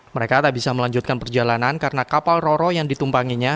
mereka tak bisa melanjutkan perjalanan karena kapal roro yang ditumpanginya